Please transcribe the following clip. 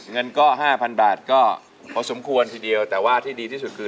เงินก็ห้าพันบาทก็พอสมควรทีเดียวแต่ว่าที่ดีที่สุดคือ